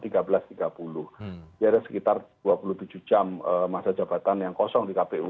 jadi ada sekitar dua puluh tujuh jam masa jabatan yang kosong di kpu